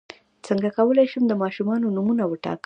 څنګه کولی شم د ماشومانو نومونه وټاکم